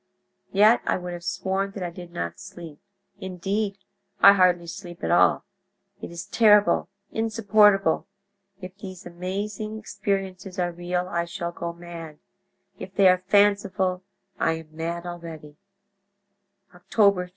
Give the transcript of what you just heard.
Yet I would have sworn that I did not sleep—indeed, I hardly sleep at all. It is terrible, insupportable! If these amazing experiences are real I shall go mad; if they are fanciful I am mad already. "Oct. 3.